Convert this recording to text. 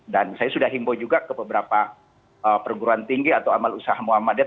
dan saya sudah himbo juga ke beberapa perguruan tinggi atau amal usaha muhammadiyah